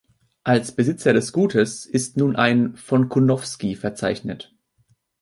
Als Besitzer des Gutes ist nun ein von Kunowski verzeichnet.